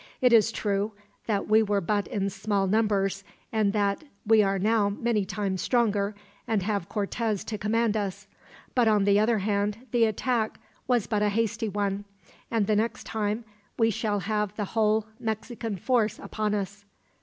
It is true that we were but in small numbers, and that we are now many times stronger, and have Cortez to command us; but on the other hand, the attack was but a hasty one, and the next time we shall have the whole Mexican force upon us."